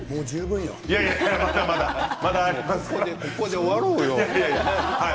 ここで終わろうよ。